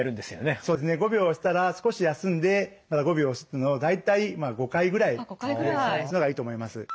そうですね５秒押したら少し休んでまた５秒押すっていうのを大体５回ぐらい繰り返すのがいいと思います。